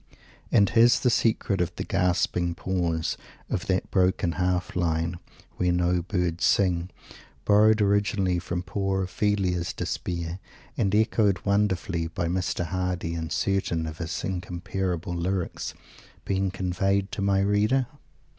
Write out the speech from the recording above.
And has the secret of the gasping pause of that broken half line, "where no birds sing," borrowed originally from poor Ophelia's despair, and echoed wonderfully by Mr. Hardy in certain of his incomparable lyrics, been conveyed to my reader?